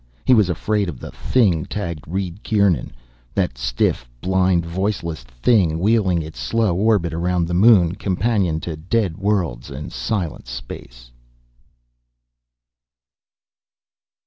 He was afraid of the thing tagged Reed Kieran, that stiff blind voiceless thing wheeling its slow orbit around the Moon, companion to dead worlds and silent space.